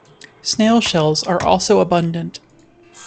Snail shells are also abundant.